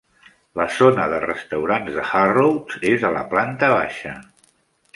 La zona de restaurants de Harrods és a la planta baixa.